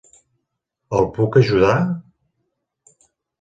El puc ajudar?